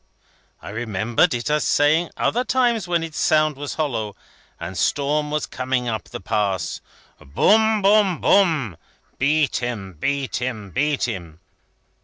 I remembered it as saying, other times, when its sound was hollow, and storm was coming up the Pass: 'Boom, boom, boom. Beat him, beat him, beat him.'